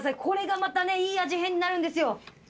これがまたねいい味変になるんですよ。